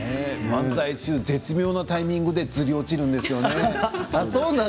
漫才中、絶妙なタイミングでずり落ちるんですよね。